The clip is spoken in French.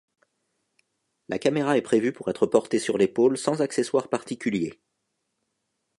La caméra est prévue pour être portée sur l'épaule sans accessoire particulier.